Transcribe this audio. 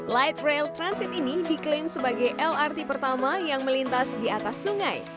light rail transit ini diklaim sebagai lrt pertama yang melintas di atas sungai